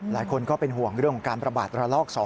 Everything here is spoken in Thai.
หลายคนก็เป็นห่วงเรื่องของการประบาดระลอก๒